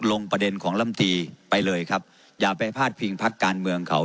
ลงประเด็นของลำตีไปเลยครับอย่าไปพาดพิงพักการเมืองเขา